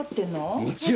もちろん。